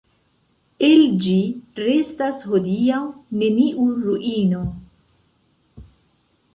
El ĝi restas hodiaŭ neniu ruino.